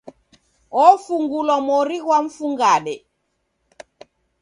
Ofungulwa mori ghwa mfungade.